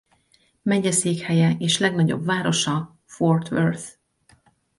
Megyeszékhelye és legnagyobb városa Fort Worth.